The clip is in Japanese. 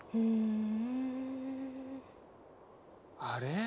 あれ？